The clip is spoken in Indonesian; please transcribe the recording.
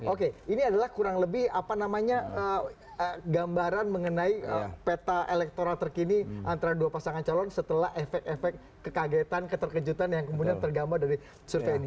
oke ini adalah kurang lebih apa namanya gambaran mengenai peta elektoral terkini antara dua pasangan calon setelah efek efek kekagetan keterkejutan yang kemudian tergambar dari survei ini